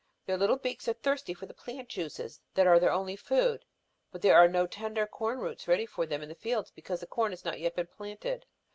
Their little beaks are thirsty for the plant juices that are their only food. But there are no tender corn roots ready for them in the fields because the corn has not yet been planted.